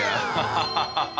ハハハハ！